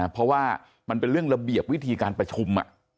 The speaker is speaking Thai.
เพราะว่ามันเป็นเรื่องระเบียบวิธีการประชุม